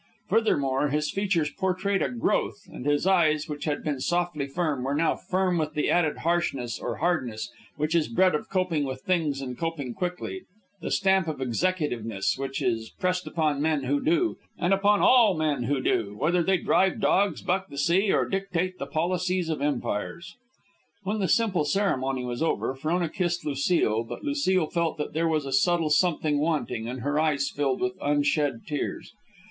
Furthermore, his features portrayed a growth, and his eyes, which had been softly firm, were now firm with the added harshness or hardness which is bred of coping with things and coping quickly, the stamp of executiveness which is pressed upon men who do, and upon all men who do, whether they drive dogs, buck the sea, or dictate the policies of empires. When the simple ceremony was over, Frona kissed Lucile; but Lucile felt that there was a subtle something wanting, and her eyes filled with unshed tears.